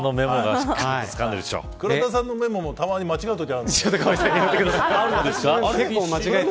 倉田さんのメモもたまに間違うことあるんです。